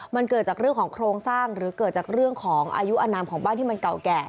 มันเกิดจากเรื่องของโครงสร้างหรือเกิดจากเรื่องของอายุอนามของบ้านที่มันเก่าแก่